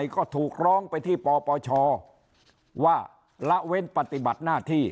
ก็ถูกร้องไปที่ปปชว่าละเว้นปฏิบัติหน้าที่